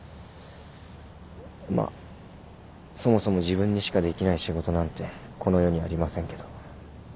まあそもそも自分にしかできない仕事なんてこの世にありませんけど。